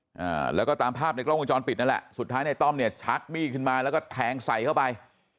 อ่าแล้วก็ตามภาพในกล้องวงจรปิดนั่นแหละสุดท้ายในต้อมเนี่ยชักมีดขึ้นมาแล้วก็แทงใส่เข้าไป